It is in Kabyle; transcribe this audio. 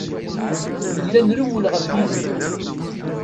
Nella nrewwel ɣef Yidir.